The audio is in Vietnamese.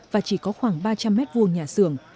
và chỉ có khoảng ba trăm linh mét vuông nhà xưởng